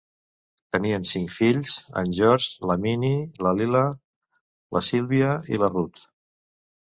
Tenien cinc fills: en George, la Minnie, la Lila, la Sylvia i la Ruth.